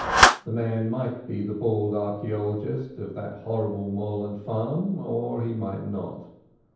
The man might be the bald archaeologist of that horrible moorland farm, or he might not.